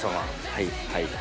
はいはい。